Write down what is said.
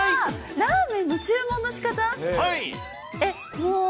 ラーメンの注文のしかた？